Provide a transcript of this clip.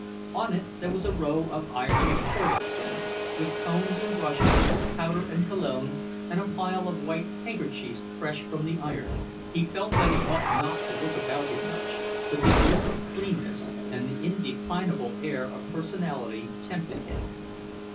On it there was a row of ivory toilet things, with combs and brushes, powder and cologne, and a pile of white handkerchiefs fresh from the iron. He felt that he ought not to look about him much, but the odor of cleanness, and the indefinable air of personality, tempted him.